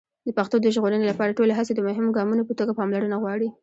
د پښتو د ژغورنې لپاره ټولې هڅې د مهمو ګامونو په توګه پاملرنه غواړي.